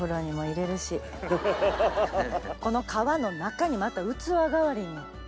この皮の中にまた器代わりに。